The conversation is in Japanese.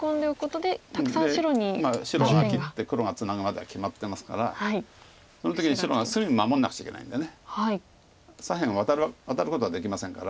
で白が切って黒がツナぐまでは決まってますからその時に白が隅守んなくちゃいけないんだね。左辺をワタることはできませんから。